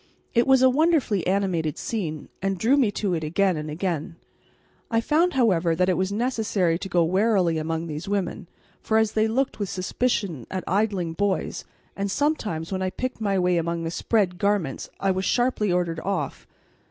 It was a wonderfully animated scene, and drew me to it again and again: I found, however, that it was necessary to go warily among these women, as they looked with suspicion at idling boys, and sometimes, when I picked my way among the spread garments, I was sharply ordered off.